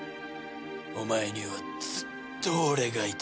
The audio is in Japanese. お前にはずっと俺がいた。